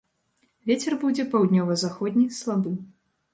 Вецер будзе паўднёва-заходні, слабы.